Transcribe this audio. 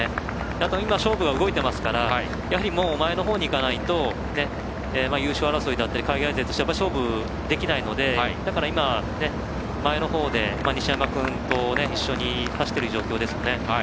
あと今、勝負が動いていますからやはり前のほうに行かないと優勝争いだったり海外勢と勝負できないので今、前の方で西山君と一緒に走っている状況ですよね。